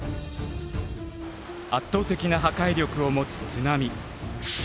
圧倒的な破壊力を持つ津波。